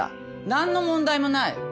何の問題もない。